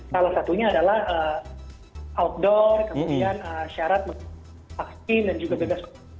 salah satunya adalah outdoor kemudian syarat menggunakan vaksin dan juga bebas